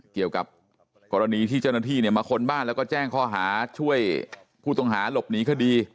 เกี่ยวกับกรณีที่เจ้าหน้าที่มาค้นบ้านแล้วก็แจ้งข้อหาช่วยผู้ต้องหาหลบหนีคดี